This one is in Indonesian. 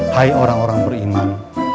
hai orang orang beriman